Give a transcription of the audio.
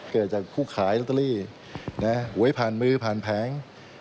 เกิดจากผู้ขายลอตเตอรี่หวยผ่านมือผ่านแผง